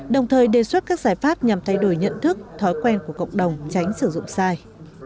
đồng thời đề xuất các giải pháp nhằm thay đổi nhận thức thói quen của cộng đồng tránh sử dụng sai